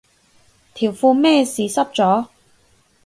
條褲咩事濕咗